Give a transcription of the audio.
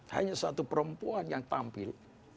hanya satu perempuan yang tampil